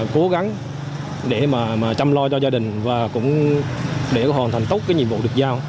cố gắng để mà chăm lo cho gia đình và cũng để hoàn thành tốt cái nhiệm vụ được giao